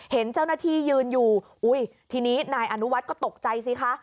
เห็นเจ้าหน้าที่ยืนอยู่อุ้ยทีนี้นายอนุวัฒน์ก็ตกใจสิคะ